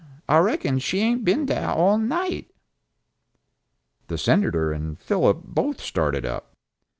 I reckon she hain't been dah all night!" The Senator and Philip both started up.